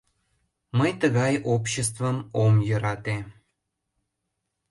Мый тыгай обществым ом йӧрате.